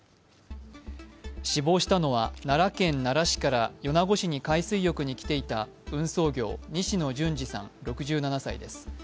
死亡したのは奈良県奈良市から米子市に海水浴に来ていた運送業、西野純次さん６７歳です。